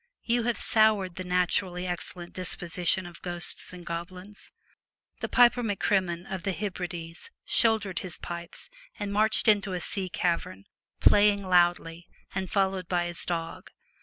You have soured the naturally excellent disposition of ghosts and goblins. The piper M'Crimmon, of the Hebrides, shouldered his pipes, and marched into a sea cavern, playing loudly, and followed by his dog.